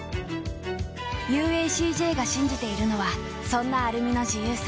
ＵＡＣＪ が信じているのはそんなアルミの自由さ。